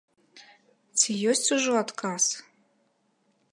Ці ёсць ужо адказ?